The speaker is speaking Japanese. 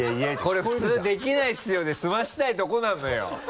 「これ普通できないですよ」で済ませたいところなのよ。